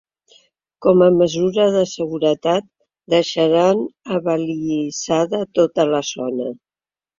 Com a mesura de seguretat, deixaran abalisada tota la zona.